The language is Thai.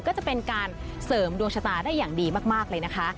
ก็จะเป็นการเสริมดวงชะตาได้อย่างดีมากเลยนะคะ